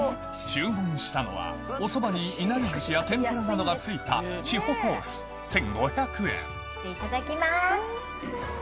注文したのはおそばにいなりずしや天ぷらなどが付いたいただきます。